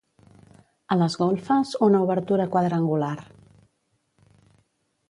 A les golfes, una obertura quadrangular.